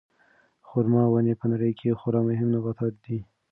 خورما ونې په نړۍ کې خورا مهم نباتات دي.